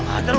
gak ada lu